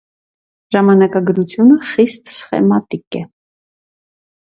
Ժամանակագրությունը խիստ սխեմատիկ է։